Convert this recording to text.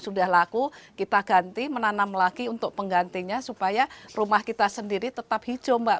sudah laku kita ganti menanam lagi untuk penggantinya supaya rumah kita sendiri tetap hijau mbak